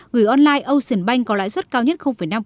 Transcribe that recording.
gửi online ocean bank có lãi suất cao nhất năm